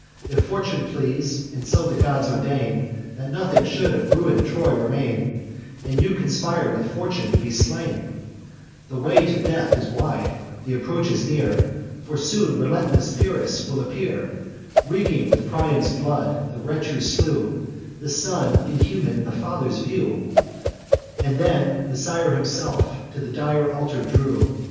If Fortune please, and so the gods ordain, That nothing should of ruin'd Troy remain, And you conspire with Fortune to be slain, The way to death is wide, th' approaches near: For soon relentless Pyrrhus will appear, Reeking with Priam's blood: the wretch who slew The son (inhuman) in the father's view, And then the sire himself to the dire altar drew.